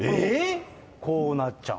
こうなっちゃう。